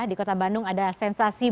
di kota bandung ada sensasi